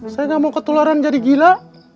saya nggak mau ketularan jadi gila